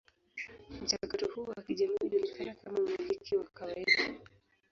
Mchakato huu wa kijamii hujulikana kama umiliki wa kawaida.